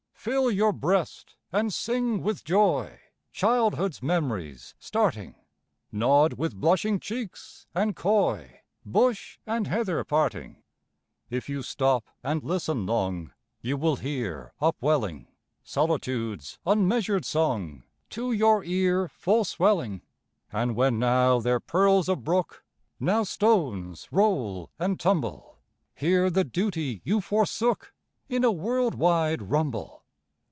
Fill your breast and sing with joy! Childhood's mem'ries starting, Nod with blushing cheeks and coy, Bush and heather parting. If you stop and listen long, You will hear upwelling Solitude's unmeasured song To your ear full swelling; And when now there purls a brook, Now stones roll and tumble, Hear the duty you forsook In a world wide rumble.